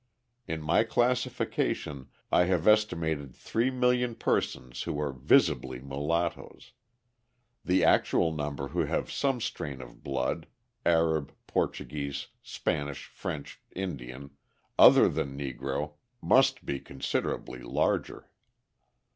In my classification I have estimated 3,000,000 persons who are "visibly" mulattoes: the actual number who have some strain of blood Arab, Portuguese, Spanish, French, Indian other than Negro, must be considerably larger.